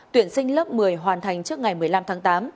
tuyển sinh lớp một mươi hoàn thành trước ngày một mươi năm tháng tám